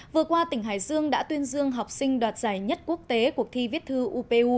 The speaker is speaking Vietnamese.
vừa qua tỉnh hải dương đã tuyên dương học sinh đoạt giải nhất quốc tế cuộc thi viết thư upu